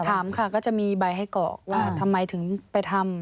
ถามค่ะก็จะมีใบให้กรอกว่าทำไมถึงไปทำ